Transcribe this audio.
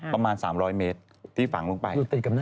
ประมาณ๓๐๐เมตรที่ฝังลงไป